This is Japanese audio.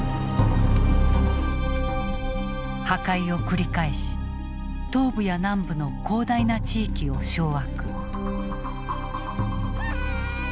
破壊を繰り返し東部や南部の広大な地域を掌握。